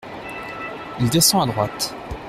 Il descend à droite.